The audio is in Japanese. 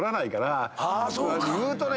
言うとね